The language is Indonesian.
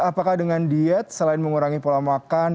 apakah dengan diet selain mengurangi pola makan